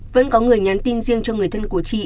vẫn có người nhắn tin riêng cho người thân của chị